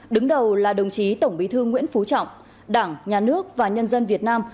đứng đầu là đồng chí tổng bí thư nguyễn phú trọng đảng nhà nước và nhân dân việt nam